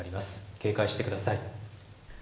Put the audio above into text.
警戒してください。